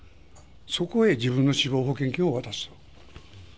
そこへ自分の死亡保険金を渡すと。